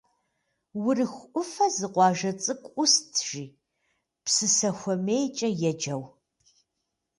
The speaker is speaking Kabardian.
Урыху ӏуфэ зы къуажэ цӏыкӏу ӏуст, жи, Псысэхуэмейкӏэ еджэу.